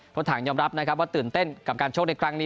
ถังยอมรับนะครับว่าตื่นเต้นกับการโชคในครั้งนี้